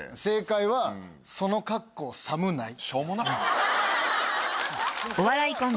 正解は「その格好寒ない？」